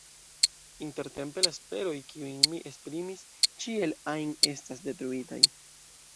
Intertempe la esperoj, kiujn mi esprimis, ĉiel ajn estas detruitaj.